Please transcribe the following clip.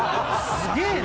すげぇな。